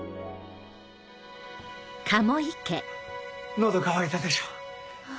喉渇いたでしょ？